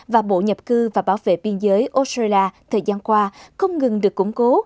và bộ nhập cư và bảo vệ biên giới australia thời gian qua không ngừng được củng cố